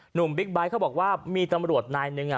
บิ๊กไบท์เขาบอกว่ามีตำรวจนายหนึ่ง